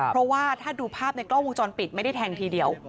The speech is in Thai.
เพราะว่าถ้าดูภาพในกล้องวงจรปิดไม่ได้แทงทีเดียว